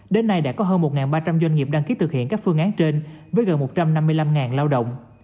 đến nay đã có hơn một ba trăm linh doanh nghiệp đăng ký thực hiện các phương án trên với gần một trăm năm mươi năm lao động